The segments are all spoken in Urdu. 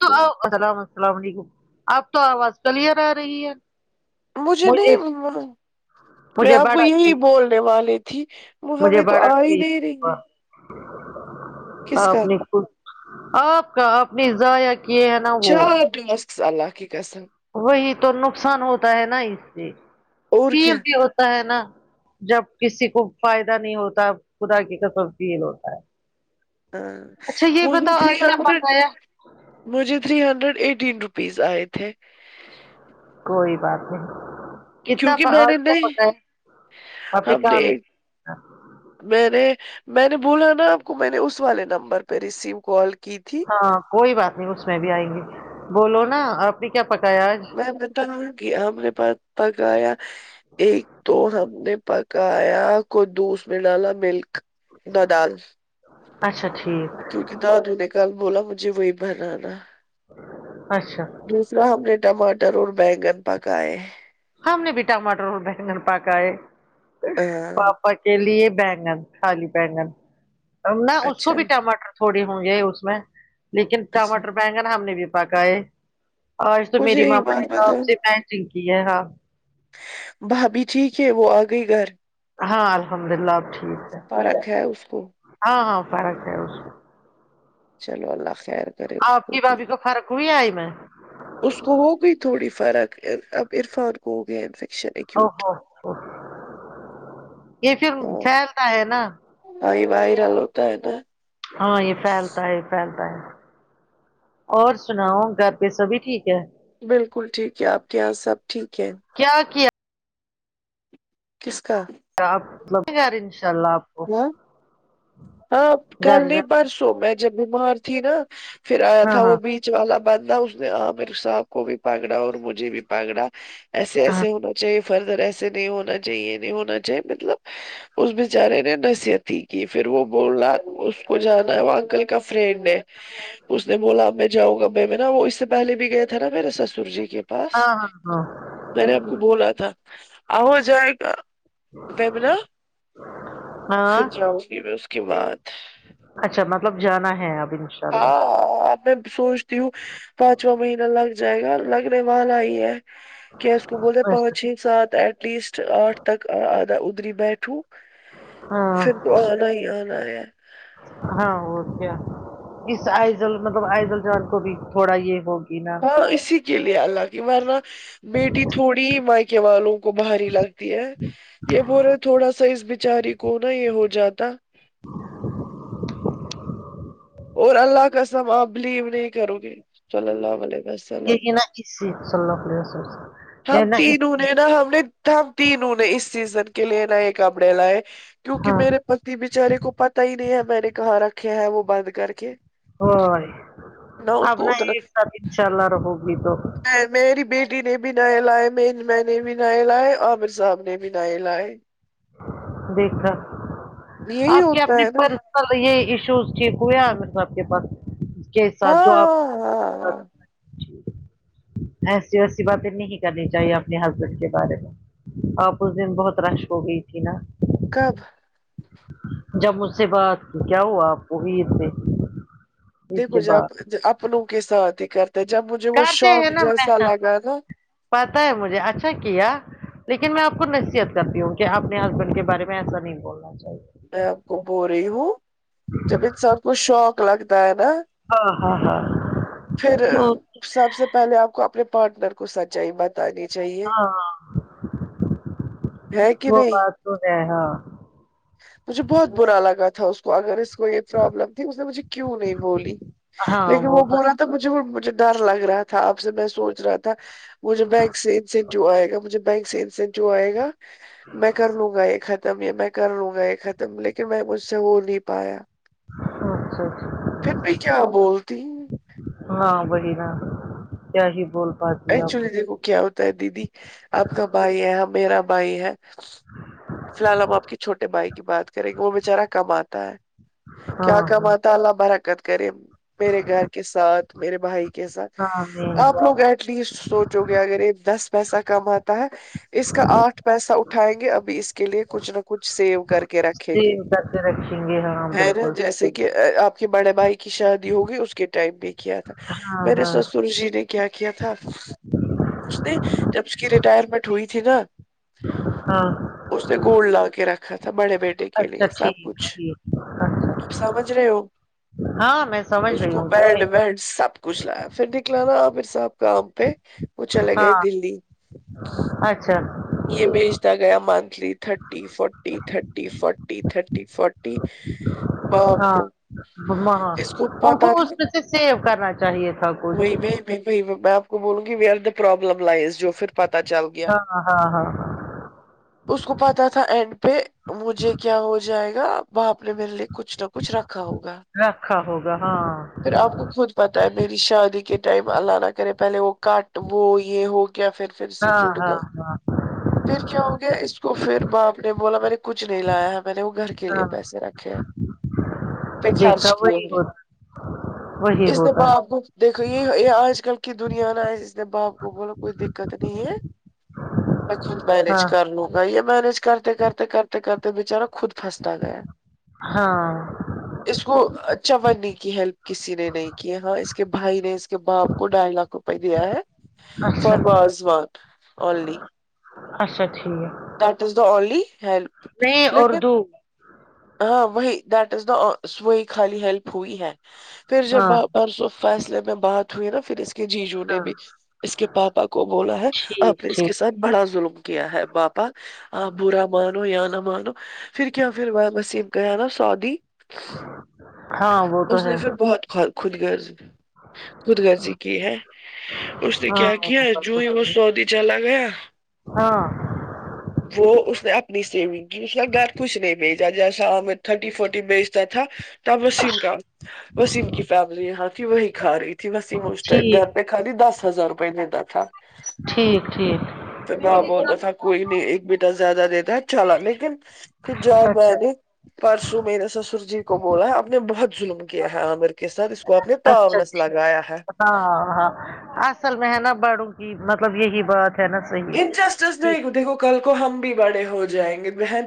تو السلام السلام علیکم آپ تو آواز کلیئر آ رہی ہے مجھے نہیں میں مجھے آپ کو بڑا اچھی یہی بولنے والی تھی وہ مجھے ہمیں تو بڑا آ ہی اچھی نہیں رہیں آپ نے کچھ آپ کا آپ نے ضائع کیے ہیں ا جار بھی مستس اللہ کے قسم وہی تو نقصان ہوتا ہے نا اس سے اور کیا فیل بھی ہو ہے نا جب کسی کو فائدہ نہیں ہوتا خدا کی کسم فیل ہوتا ہے ہاں اچھا یہ پورے بتاؤ تھری آج کیا ہڈریڈ پکایا مجھے تھری ہنڈریڈ ایٹین روپیز آئے تھے کوئی بات نہیں کتنا کیونکہ میں نے کیا نہیں پکا ہے آپ کے ہم نے کام ہاں میں نے میں نے بولا نا آپ کو میں نے اس والے نمبر پہ ریسیو کال کی تھی ہاں کوئی بات نہیں اس میں بھی آئیں گی بولو نا آپ نے کیا پکایا آج میں بتاؤں گی اور اپ نے پکایا ایک تو ہم نے پکایا کوئی خدوس میں ڈالا ملک ددال اچھا ٹھیک کیونکہ دادو نے کل بولا مجھے وہی بنانا اچھا دوسرا ہم نے ٹماٹر اور بینگن پکائے ہم نے بھی ٹماٹر اور بیگن پکائے ہاں پاپا کے لیے بیگن خالی بیگن نہ اس اچھا کو بھی ٹماٹر تھوڑے ہوں گے اس میں لیکن اچھا ٹماٹر بینگن ہم نے بھی پکا ہے اور تو مجھے میری ایک ماما نے بات توپ بتاؤ سے مٹن کی ہے ہاں بھابھی ٹھیک ہے وہ آ گئی گھر ہاں الحمد للہ اب ٹھیک ہے فرق ہے اس کو ہاں ہاں فرق ہے اس میں چلو اللہ خیر کرے اس آپ کی بھی بھابھی کو فرق ہوئی آئی میں اس کو ہوگئی تھوڑی فرق اب عرفان کو ہو گیا انفیکشن ایک او ہو یہ پھر ہاں پھیلتا ہے نا ہاں یہ وائرل ہوتا ہے نا ہاں یہ پھیلتا ہے یہ پھیلتا ہے اور سناؤ گھر پہ سبھی ٹھیک ہے بالکل ٹھیک ہے آپ کے یہاں سب ٹھیک ہے کیا کیا کس کا آپ [unintelligible] ان شاء اللہ آپ کو ہاں ہاں گھر کل نہیں جانا پرسوں میں جب بیمار تھی نا پھر آیا ہے؟ ہاں تھا ہاں وہ بیچ والا بندہ اس نے آمر صاحب کو بھی پکڑا اور مجھے بھی پکڑا ایسے ہاں ایسے ہونا چاہیے فردر ایسے نہیں ہونا چاہیے یہ نہیں ہونا چاہیے مطلب اس بچارے نے نصیت ہی کی پھر وہ بولا اس کو جانا ہے وہ انکل کا فرینڈ ہے اس نے بولا میں جاؤں گا میں ناں وہ اس سے پہلے بھی گیا تھا نا میرے سسر جی کے پاس ہاں ہاں ہاں میں نے آپ کو بولا تھا آ ہوجائے ناں ہاں پھر ہاں جاؤں گی میں اس کے بعد اچھا مطلب جانا ہے ابھی ہاں میں سوچتی ہوں پانچواں مہینہ لگ جائے گا لگنے والا ہی ہے کیا اس کو بولے اچھا پانچ چھ سات ایٹ لیسٹ آٹھ تک آدھا ادری بیٹھوں ہاں پھر تو آنا ہی آنا ہے ہاں اور کیا اس آئزل مطلب آئزل جان کو بھی تھوڑا یہ ہوگی ناں ہاں اسی کے لیے اللہ کی ورنہ بیٹی تھوڑی ہی مائیکے والوں کو بھاری لگتی ہے یہ بولے تھوڑا سا اس بچاری کو ناں یہ ہو جاتا [inaudible] اور اللہ کا قسم آپ بلیو نہیں کرو گے صلی اللہ علیہ وسلم یہی نا اسی صلی اللہ علیہ وسلم یہ ہم نا اس تینوں ناں ہم نے ہم تینوں نے اس سیزن کے لیے ناں نئے کپڑے لائے کیونکہ ہاں میرے بیچارے کو پتا ہی نہیں ہے میں نے کہاں رکھے ہیں وہ بند کر کے ہو نہ اس کو اپنا اتنا ایک ساتھ ان شاء اللہ رہوگی تو میں میری بیٹی نے بھی نئے لائے میں نے بھی نئے لائے عامر صاب نے بھی نئے لائے دیکھا یہی آپ کے ہوتا اپنی ہے نا پر یہ ایشوز ٹھیک ہوئے مطلب آپ کے پاس اس کے ساتھ ہاں جو آپ ہاں ہاں ایسی ویسی باتیں نہیں کرنی چاہیے اپنے ہسبینڈ کے بارے میں آپ اس دن بہت رش ہو گئی تھی ناں کب جب مجھ سے بعد کیا ہوا آپ کو عید پہ عید دیکھو کے جب بعد اپنوں کے ساتھ ہی کرتے جب مجھے وہ کرتے شوک ہیں نا جیسا میں لگا ناں پتا ہے مجھے اچھا کیا لیکن میں آپ کو نصیحت کرتی ہوں کہ اپنے ہسبینڈ کے بارے میں ایسا نہیں بولنا چاہیے میں آپ کو بو رہی ہوں جب انسان کو شوک لگتا ہے ناں ہاں ہاں ہاں پھر او سب سے پہلے آپ کو اپنے پارٹنر کو سچائی بت تانی چاہیے ہاں ہے کہ وہ نہیں بات ہے ہاں مجھے بہت برا لگا تھا اس تو اگر اس کو یہ پرابلم تھی اس نے مجھے کیوں نہیں بولی لیکن وہ بولا تو مجھے مجھے ڈر لگ رہا تھا آپ سے میں سوچ رہا تھا مجھے بینک سے انسینٹیو آئے گا مجھے بینک سے انسینٹیو آئے گا میں کر لوں گا یہ ختم یہ میں کر لوں گا یہ ختم لیکن میں مجھ سے ہو نہیں پایا اچھا اچھا پھر بھی کیا بولتی ہاں وہی نا کیا ہی بول پاتی آپ ایکچولی دیکھو کیا ہوتا ہے دیدی آپ کا بھائی ہے میرا بھائی ہے فی الحال ہم آپ کے چھوٹے بھائی کی بات کریں گے وہ بچارہ کماتا ہے کیا ہاں ہاں کماتا اللہ برکت کرے میرے گھر کے ساتھ میرے بھائی کے ساتھ ہاں میں آپ لوگ ہے ایٹ لیسٹ سوچو گے اگر یہ دس پیسہ کماتا ہے اس کا آٹھ پیسہ اٹھائیں گے ابھی اس کے لیے کچھ نہ کچھ سوے کر کے رکھے [unintelligible] جی ہے نا جیسے کہ آپ بڑے بھائی کی شادی ہوگئی اس کے ٹائم بھی کیا تھا ہاں میرے ہاں سسر جی نے کیا تھا اس نے جب اس کی ریٹائرمنٹ ہوئی تھی نا ہاں اس نےگولڈ لا کے رکھا تھا بڑے بٹے کے لیے اچھا سب ٹھیک کچھ ٹھیک اچھا سمجھ رہے ہو ہاں میں سمجھ اس رہی کو ہوں کیوں بیڈ نہیں ویڈ سمجھ۔ سب کچھ لیا پھر نکلا نا آمر صاحب کام پہ وہ چلے گئے ہاں دلی اچھا یہ بھیجتا گیا monthly thirty forty thirty forty thirty forty باپ ہاں کو ہاں اس کو ان پتا اس تھا میں سیو کرنا چاہیے تھا ب وہ میں آپ کو بولوں گی we are the problem lies جو پھر پتا چل گیا ہاں ہاں ہاں اس کو پتا تھا اینڈ پہ مجھے کیا ہو جائے گا باپ نے مل نے کچھ نہ کچھ رکھا ہوگا رکھا ہوگا ہاں پھر آپ کو خود پتہ ہے میری شادی کے ٹائم اللہ نہ کرے پہلے وہ کٹ وہ یہ ہو گیا پھر پھر سے ہاں جڑ ہاں گیا ہاں پھر کیا ہو گیا اس کو پھر باپ نے بولا میں نے کچھ نہیں لایا ہے میں نے وہ گھر کے لیے ہاں پیسے رکھے ہیں پہ دیکھا خرچ کیے وہی گے ہوتا وہی ہو اس نے باپ کو دیکھو یہ یہ آج کل کی دنیا ہے نا باپ کو بولا کوئی دکت نہیں ہے میں خود مینج ہاں کرلوں گا یہ مینج کرتے کرتے کرتے کرتے بچارا خود پھستا گیا ہاں اس کو اچھا بنے کی ہیلپ کسی نے نہیں کی ہاں اس کے بھائی نے اس کے باپ کو ڈھائی لاکھ روپے دیا ہے فار اچھا بازوان اونلی اچھا ٹھیک ہے that is the only help لیکن اردو ہاں وہی ڈیٹ از دا ا وہی خالی ہیلپ ہوئی ہے پھر جب ہاں اور سب فیصلے میں بات ہوئی نا پھر اس کے جی جو نے ہاں بھی اس کے پاپا کو بولا ہے ٹھیک آپ نے اس کے ٹھیک ساتھ بڑا ظلم کیا ہے باپا آپ برا مانو یا نہ مانو پھر کیا پھر پاپا آصف گیا نا سعودی ہاں وہ تو اس نے ہے پھر بہت بہت خود غرض خود غرضی کی ہے اس نے ہاں کیا وہ کیا بات جوں تو ہی وہ صحیح سعودی چلا گیا ہاں وہ اس نے اپنی سیونگ کی اس گھر کچھ نہیں بھیجا جیسا ہمیں تھرٹی فورٹی بھیجتا تھا تب وسیم کا وسیم کی فیملی یہاں تھی وہی کھا رہی تھی وسیم اس ٹائم گھر ٹھیک میں خالی دس ہزار روپئے دیتا تھا ٹھیک ٹھیک پھر باپ بولتا تھا کوئی نہیں ایک بیٹا زیادہ دیتا چلا لیکن پھر جب اچھا پرسوں میںرے سسر جی کو بولا آپ نے بہت ظلم کیا ہے عامر کے ساتھ اس کو اپ نے اچھا پاؤنس لگایا ہے ٹھیک ہاں ہاں اصل میں ہے نا بڑوں کی مطلب یہی بات ہے نا صحیح انجسٹس دیکھو دیکھو کل کو ہم بھی بڑے ہو جائیں گے بہن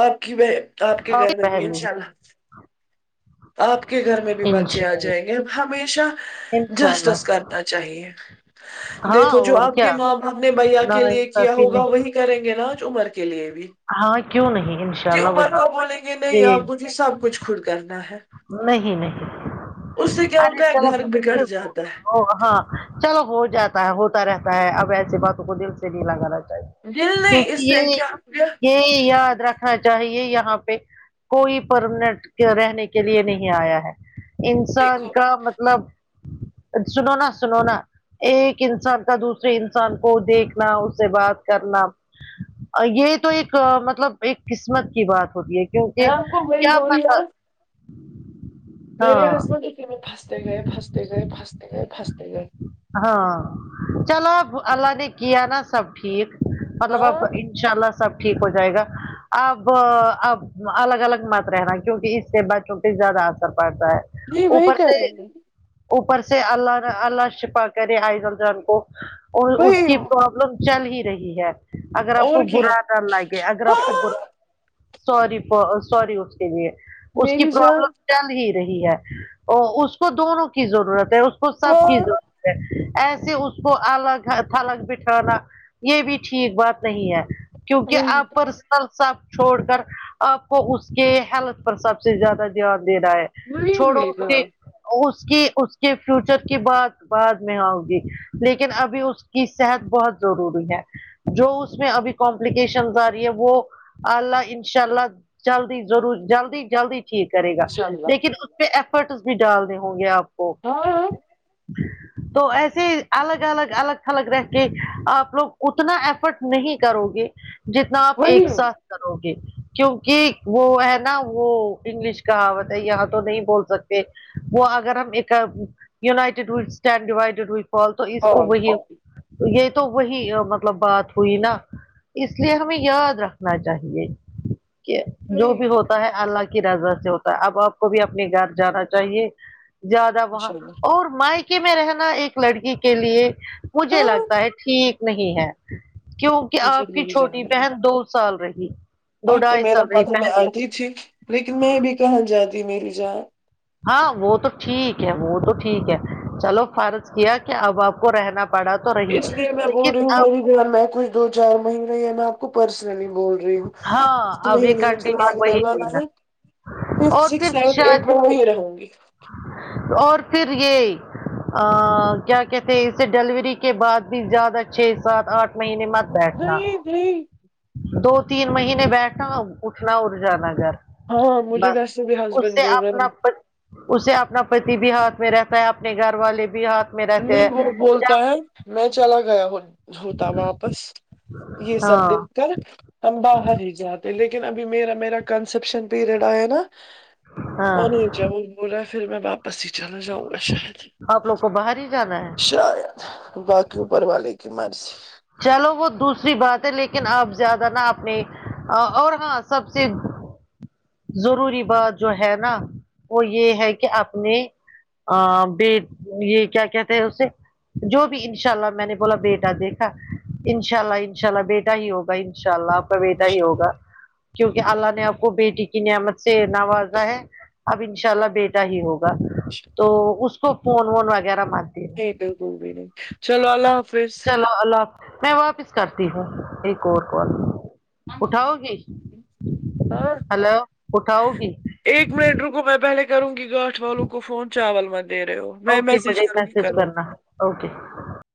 آپ کی بہ آپ کے اور گھر میں بھی پہلو انشاء اللہ آپ کے گھر میں بھی بچے انشاء آ اللہ جائیں گے ہم ہمیشہ انشاء جسٹس اللہ کر نا چاہیے ہاں دیکھو جو اور آپ کے کیا ماں باپ نے بھیا نا کے لیے کیا انصافی ہوگا نہیں وہی کریں گے نا آج عمر کے لیے بھی ہاں کیوں نہیں انشاء جی اللہ عمر وہی کو بولیں گے نہیں جی اب مجھے سب کچھ خود کرنا ہے نہیں نہیں اس سے کیا ارے ہوتا ہے گھر بگڑ جاتا ہے [unintelligible] ہاں چلو ہو جاتا ہے ہوتا رہتا ہے اب ایسی باتوں کو دل سے نہیں لگانا دل چاہیے نہیں اس کیونکہ سے یہ کیا ہو گیا یہ یاد رکھ نا چاہیے یہاں پہ کوئی پرمننٹ رہنے کے لیے نہیں آیا ہے انسان دیکھو کا مطلب سنونا سنونا ایک انسان کا دوسرے انسان کو دیکھنا اس سے بات کرنا یہ تو ایک مطلب ایک قسمت کی بات ہوتی ہے میں کیونکہ آپ کو وہی کیا بول رہی پتا ہوں میرے ہاں ہسبینڈ اسی میں پھستے گئے پھستے گئے پھستے گئے پھستے گئے ہاں چلو اب اللہ نے کیا نا سب ٹھیک مطلب اب ہاں ان شاء اللہ سب ٹھیک ہو جائے گا اب اب الگ الگ مت رہنا کیونکہ اس سے بچوں پہ زیادہ اثر پڑتا ہے نہیں وہی اوپر کر سے رہے ہیں اوپر سے اللہ اللہ شفا کرے ائیزن جان کو اور اس وہی کی پرابلم چل ہی رہی ہے اگر آپ کو اور کیا برا نہ لگے اگر آپ کو ہاں برا سوری فار سوری اس کے لیے اس کی میری جان پرابلم چل ہی رہی ہے اس کو دونوں کی ضرورت ہے اس کو سب کی ہاں ضرورت ایسے اس کو الگ تھلگ بٹھانا یہ بھی ٹھیک بات نہیں ہے کیونکہ وہی آ پر سب چھوڑ کر آپ کو اس کے حالت پر سب سے زیادہ دھیان دینا ہے وہی چھوڑو میری اس کے جان اس کی اس کے فیوچر کے بعد بعد میں آؤ گی لیکن ابھی اس کی صحت بہت ضروری ہے جو اس میں ابھی کمپلیکیشن آ رہی ہے وہ اللہ انشاء اللہ جلدی ضرور جلدی جلدی چی کرے گا انشاء اللہ لیکن اس پہ ایفرٹس بھی ڈالنے ہوں گے آپ کو اور تو ایسے الگ الگ الگ تھلگ رہ کے آپ لوگ اتنا ایفرٹ نہیں کرو گے جتنا آپ وہی ایک ساتھ ہاں کرو گے کیونکہ وہ ہے نا وہ انگلش کہاوت ہے یہاں تو نہیں بول سکتے وہ اگر ہم ایک united we stand divided we fall تو اس کو وہی یہ تو وہی مطلب بات ہوئی نہ اس لیے ہمیں یاد رکھنا چاہیے کہ جو وہی بھی ہوتا ہے اللہ کی رضا سے ہوتا ہے اب آپ کو بھی اپنے گھر جانا چاہیے زیادہ وہاں انشاء اللہ اور مائکے میں رہنا ایک لڑکی کے لیے مجھے ہاں لگتا ہے ٹھیک نہیں ہے کیوں کہ اچھا آپ کی میری چھوٹی بہن دو سال رہی آ دو تو ڈھائی میرا سال رہی حاتوں میں پہلے آتی تھی لیکن میں بھی کہاں جاتی میری جان ہاں وہ تو ٹھیک ہے وہ تو ٹھیک ہے چلو فرض کیا کہ اب آپ کو رہنا پڑا تو رہی اس لیے میں بول لیکن رہی ہوں اب میری گھر میں کچھ دو چار مہینے میں آپ کو پرسنلی بول رہی ہوں [unintelligible] ہاں اب یہ کنٹینیو وہی دینا ففتھ اور سکس پھر سیونت شاید ایٹ میں وہ ہی رہوں گی اور پھر یہ آ کیا کہتے ہیں اسے ڈیلیوری کے بعد بھی زیادہ چھ سات آٹھ مہینے مت بیٹھنا نہیں نہیں دو تین مہینے بیٹھا اٹھنا اور جانا گھر ہاں مجھے بس ویسے بھی اس ہسبینڈ سے بول رہے اپنا ہیں اسے اپنا پتی بھی ہاتھ میں رہتا ہے اپنے گھر والے بھی ہاتھ میں رہتے نہیں ہیں وہ بولتا ہے جب میں چلا گیا ہوں ہوتا واپس یہ سب ہاں دن ہم باہر ہی جاتے لیکن ابھی میرا میرا کنسپشن پیریڈ آیا نا ہاں وہ نہیں جآ بول رہا پھر میں واپس ہی چلا جاؤں گا شاید آپ لوگ کو باہر ہی جانا ہے شاید باقی اوپر والے کی مرضی چلو وہ دوسری بات ہے لیکن اپ زیادہ نہ اپنے اور اور ہاں سب چیز ضروری بات جو ہے نا وہ یہ ہے کہ اپنے ا بی یہ کیا کہتے ہیں اسے جو بھی انشاء اللہ میں نے بولا بیٹا دیک ان شاء اللہ ان شاء اللہ بیٹا ہی ہوگا ان شاء اللہ آپ کا بیٹا ہی انشاء ہوگا اللہ کیونکہ اللہ نے آپ کو بیٹی کی نعمت سے ناوازا ہے اب ان شاء اللہ بے بیٹا ہی ہوگا تو اس کو فون وون وغیرہ مان نہیں ب بھی نہیں چلو اللہ حافظ ال میں واپس کرتی ہوں ایک اور کال اٹھاؤ گی ہاں ہیلو اٹھاؤ گی ایک منٹ رکو میں پہلے کروں گی گاھ والوں کو فون چاول مت دے رہے ہو میں اوکے مجھے کروں گی میسج کرو کرنا اوکے